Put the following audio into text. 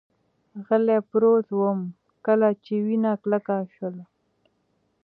غلی پروت ووم، کله چې وینه کلکه شول.